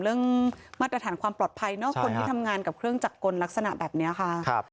มาตรฐานความปลอดภัยเนอะคนที่ทำงานกับเครื่องจักรกลลักษณะแบบนี้ค่ะ